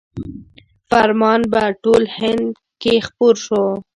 فرمان په ټول هند کې خپور شو.